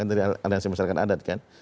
dari aliansi masyarakat adat kan